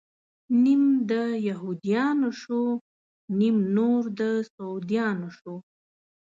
نيم د يهود يانو شو، نيم نور د سعوديانو شو